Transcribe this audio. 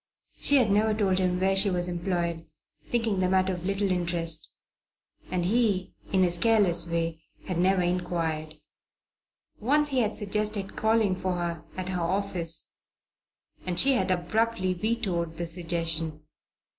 She had never told him where she was employed, thinking the matter of little interest; and he, in his careless way, had never inquired. Once he had suggested calling for her at her office, and she had abruptly vetoed the suggestion.